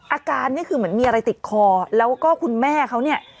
อาการนี่คือเหมือนมีอะไรติดคอแล้วก็คุณแม่เขาเนี่ย